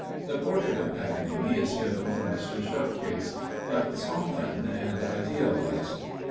The portrait of Paganini is given from M. Schottky's, but softened and idealized.